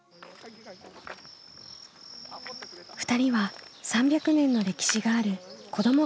２人は３００年の歴史がある子ども